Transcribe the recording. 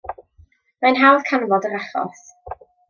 Mae'n hawdd canfod yr achos.